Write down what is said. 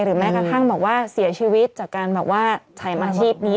หรือแม้กระทั่งเสียชีวิตจากการใช้อาชีพนี้